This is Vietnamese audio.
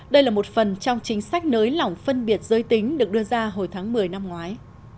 đây là một phần trong chính sách nới lỏng phân biệt giới tính được đưa ra hồi tháng một mươi năm ngoái